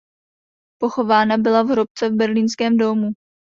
Pochována byla v hrobce v berlínském dómu.